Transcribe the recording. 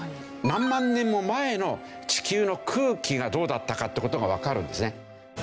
何万年も前の地球の空気がどうだったかって事がわかるんですね。